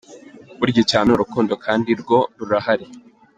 Burya icya mbere ni urukundo kandi rwo rurahari.